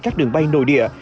các đường bay nội địa